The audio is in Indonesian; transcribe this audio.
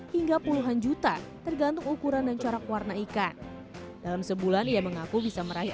hingga puluhan juta tergantung ukuran dan corak warna ikan dalam sebulan ia mengaku bisa meraih